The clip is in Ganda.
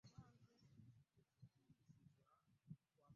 Ndowooza bonna be bamu.